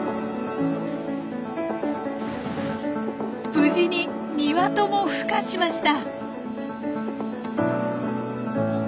無事に２羽とも孵化しました！